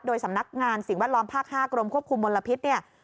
โดยสำนักงานสิ่งแวดล้อมภาค๕กรมควบคุมมลพิษเนี่ย